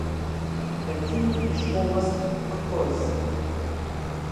Ndertimi i shkolles kpuz-